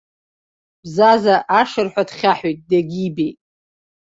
Бзаза ашырҳәа дхьаҳәит, дагьибеит.